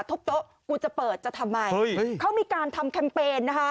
ทุบโต๊ะกูจะเปิดจะทำไมเขามีการทำแคมเปญนะคะ